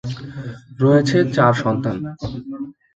রয়েছে চার সন্তান।